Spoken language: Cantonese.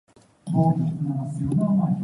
格仔餅